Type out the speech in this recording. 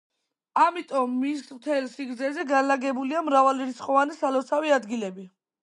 ამიტომ მის მთელ სიგრძეზე განლაგებულია მრავალრიცხოვანი სალოცავი ადგილები.